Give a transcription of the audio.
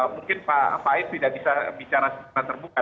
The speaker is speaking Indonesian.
mungkin pak faiz tidak bisa bicara secara terbuka